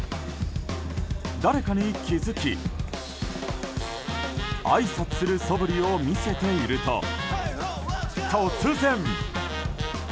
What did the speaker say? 誰かに気づき、あいさつするそぶりを見せていると突然。